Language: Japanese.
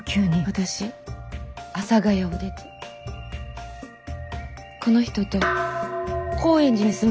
私阿佐ヶ谷を出てこの人と高円寺に住むことにしたの。